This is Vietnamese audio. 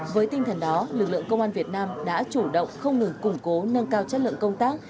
với tinh thần đó lực lượng công an việt nam đã chủ động không ngừng củng cố nâng cao chất lượng công tác